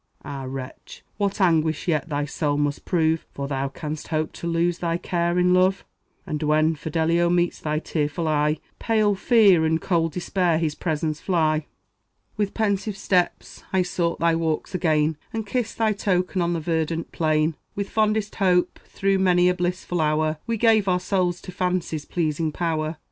Ah, wretch! what anguish yet thy soul must prove! For thou canst hope to lose thy care in love; And when Fidelio meets thy tearful eye, Pale fear and cold despair his presence fly. With pensive steps I sought thy walks again, And kissed thy token on the verdant plain; With fondest hope, through many a blissful hour, We gave our souls to Fancy's pleasing power.